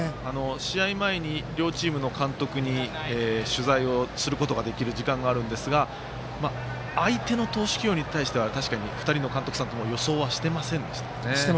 試合前に両チームの監督に取材をすることができる時間があるんですが相手の投手起用に対しては２人の監督さんとも予想はしていませんでしたかね。